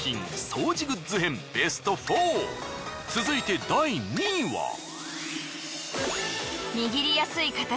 続いて第２位は。